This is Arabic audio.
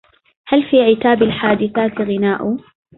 هل في عتاب الحادثات غناء